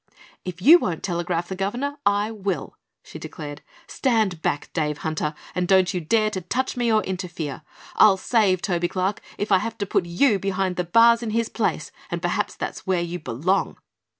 "If you won't telegraph the governor, I will!" she declared. "Stand back, Dave Hunter, and don't you dare to touch me or interfere. I'll save Toby Clark if I have to put you behind the bars in his place, and perhaps there's where you belong."